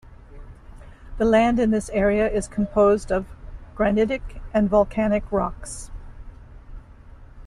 The land in this area is composed of granitic and volcanic rocks.